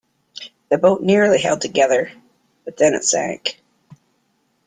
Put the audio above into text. The boat nearly held together, but then it sank.